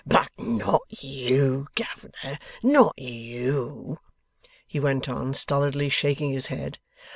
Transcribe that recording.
'But not you, governor, not you,' he went on, stolidly shaking his head.